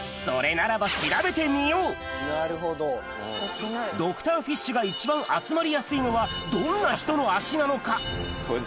それならばドクターフィッシュが一番集まりやすいのはどんな人の足なのか？